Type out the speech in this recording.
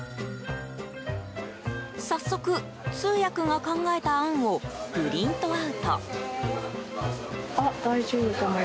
早速、通訳が考えた案をプリントアウト。